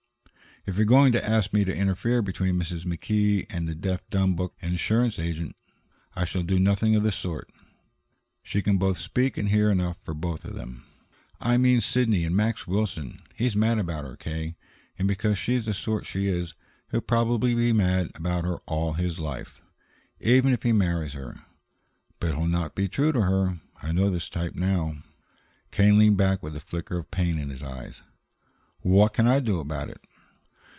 "If you're going to ask me to interfere between Mrs. McKee and the deaf and dumb book and insurance agent, I shall do nothing of the sort. She can both speak and hear enough for both of them." "I mean Sidney and Max Wilson. He's mad about her, K.; and, because she's the sort she is, he'll probably be mad about her all his life, even if he marries her. But he'll not be true to her; I know the type now." K. leaned back with a flicker of pain in his eyes. "What can I do about it?"